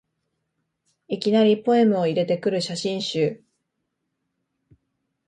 いきなりポエムを入れてくる写真集